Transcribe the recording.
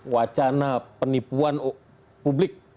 wacana penipuan publik